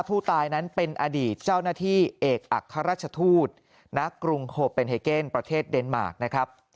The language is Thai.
ผู้ตายนั้นเป็นอดีตเจ้าหน้าที่เอกอัครราชทูตณกรุงโฮเป็นเก็นประเทศเดนมาร์คนะครับ